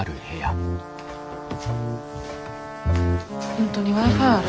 本当にＷｉ−Ｆｉある？